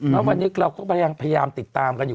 แล้ววันนี้เราก็พยายามติดตามกันอยู่